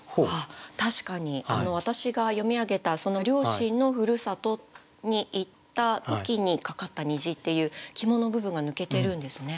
確かに私が読み上げた両親の故郷に行った時にかかった虹っていう肝の部分が抜けてるんですね。